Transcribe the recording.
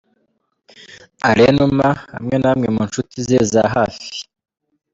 Alain Numa hamwe na bamwe mu nshuti ze za hafi.